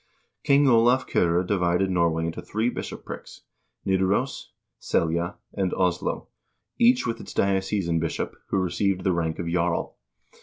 King Olav Kyrre divided Norway into three bishoprics : Nidaros, Selja, and Oslo, each with its dioc esan bishop, who received the rank of jarl.